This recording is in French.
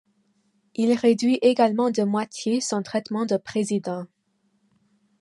Il réduit également de moitié son traitement de président.